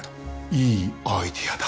いいアイデアだ。